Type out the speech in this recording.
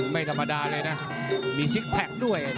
ไม่ธรรมดาเลยนะมีซิกแพคด้วย